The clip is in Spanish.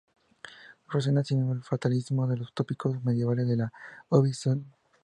Resuena asimismo el fatalismo de los tópicos medievales del "ubi sunt?